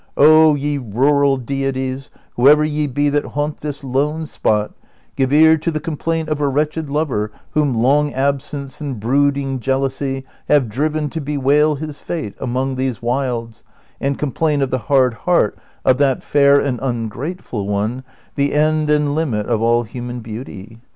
Oh, ye rural deities, whoever ye be that haunt this lone spot, give ear to the complaint of a wretched lover whom long absence and brooding jealousy have driven to bewail his fate among these wilds and complain of the hard heart of that fair and ungratefid one, the end and limit of all human beauty